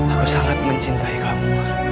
aku sangat mencintai kamu